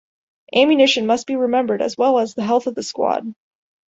Ammunition must be remembered as well as the health of the squad.